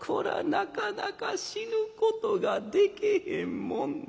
なかなか死ぬことがでけへんもんでおます。